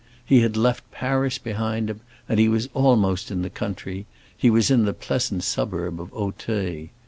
He had left Paris behind him, and he was almost in the country; he was in the pleasant suburb of Auteuil.